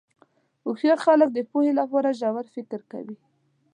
هوښیار خلک د پوهې لپاره ژور فکر کوي.